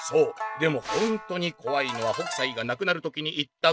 でもほんとにこわいのは北斎が亡くなる時に言った言葉！」。